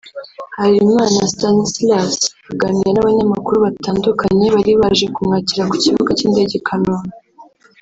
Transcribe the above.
Harerimana Stanislas aganira n’abanyamakuru batandukanye bari baje kumwakira ku kibuga cy’indege i Kanombe